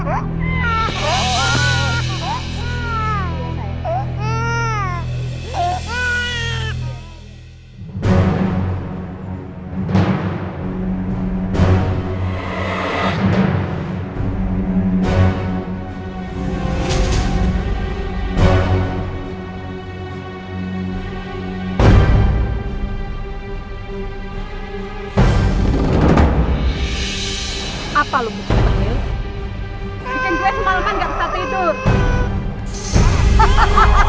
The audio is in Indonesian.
bikin gue semaleman gak bisa tidur